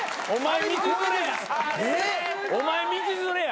お前道連れや。